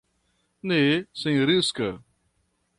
Ne senriska!